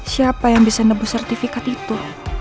siapa yang bisa nebu sertifikat itu